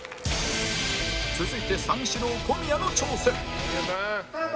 続いて三四郎小宮の挑戦スタート。